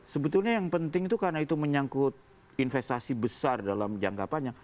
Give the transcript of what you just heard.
sebetulnya yang penting itu karena itu menyangkut investasi besar dalam jangka panjang